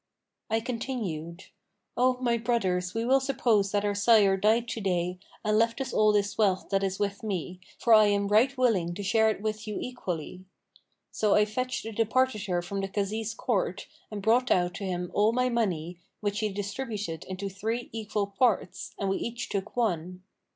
I continued, 'O my brothers we will suppose that our sire died to day and left us all this wealth that is with me, for I am right willing to share it with you equally.' So I fetched a departitor from the Kazi's court and brought out to him all my money, which he distributed into three equal parts, and we each took one.